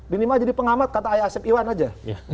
minimal jadi pengamat kata ayasep iwan aja